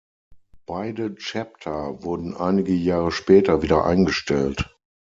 Beide Chapter wurden einige Jahre später wieder eingestellt.